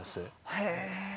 へえ！